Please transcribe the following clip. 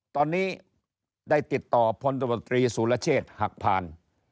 ตอนนี้ได้ติดต่อพลตบตรีสุรเชษฐ์หักผ่าน